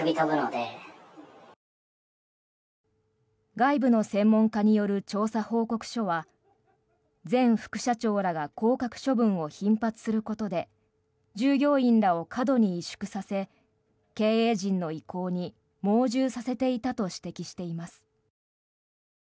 外部の専門家による調査報告書は前副社長らが降格処分を頻発することで従業員らを過度に萎縮させ経営陣の意向に盲従させていたと指摘しています。